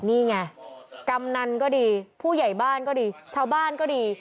นี่ไงกำนันก็ดีผู้ใหญ่บ้านก็ดีชาวบ้านก็ดี